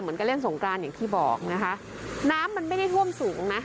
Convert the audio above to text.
มันก็เล่นสงกรานอย่างที่บอกนะคะน้ำมันไม่ได้ท่วมสูงนะ